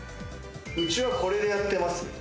うちはこれでやってます。